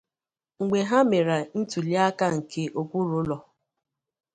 Mgbe ha mere ntụli aka nke okwuru ụlọ